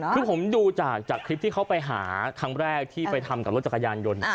คือผมดูจากคลิปที่เขาไปหาครั้งแรกที่ไปทำกับรถจักรยานยนต์